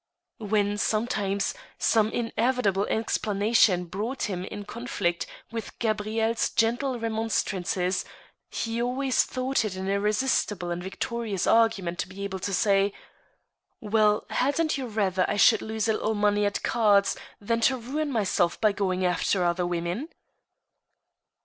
When, sometimes, some inevitable explanation brought him in conflict with Gabrielle's gentle remonstrances, he always thought it an irresistible and victorious argument to be able to say :" Well, hadn't you rather I should lose a little money at cards than to ruin myself by going after other women